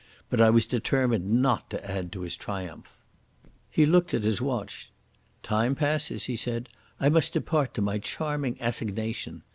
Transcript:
But I was determined not to add to his triumph. He looked at his watch. "Time passes," he said. "I must depart to my charming assignation.